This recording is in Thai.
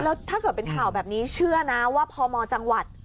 แล้วถ้าเกิดเป็นข่าวแบบนี้เชื่อนะว่าพมจังหวัด